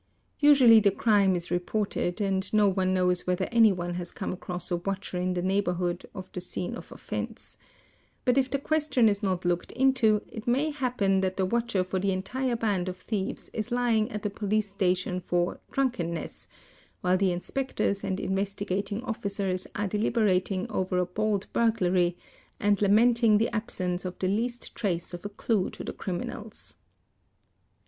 Usually the crime is reported and no one knows whether anyone has come across a watcher in the neighbourhood of the scene of offence; but if the question is not looked into, it may happen that the watcher for the entire band of thieves is lying at the Police Station for ' drunken ness", while the Inspectors and Investigating Officers are deliberating over a bold burglary and lamenting the absence of the least trace of a clue to the criminals.